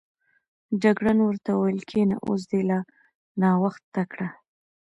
جګړن ورته وویل کېنه، اوس دې لا ناوخته کړ.